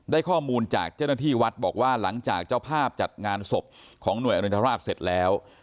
ได้ข้อมูลจากเจ้าหน้าที่วัดบอกว่าหลังจากเจ้าภาพจัดงานศพของหน่วยอรินทราชเสร็จแล้ว